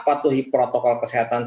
patuhi protokol kesehatan